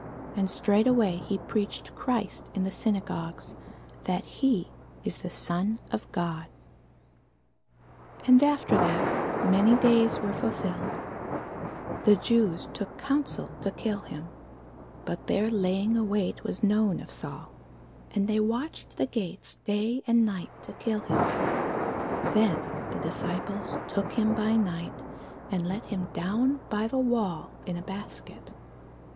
And straightway he preached Christ in the synagogues, that he is the Son of God. [Sidenote: The Acts 9] And after that many days were fulfilled, the Jews took counsel to kill him: but their laying await was known of Saul. And they watched the gates day and night to kill him. Then the disciples took him by night, and let him down by the wall in a basket.